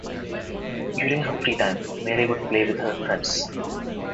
During her free time, Mary would play with her friends.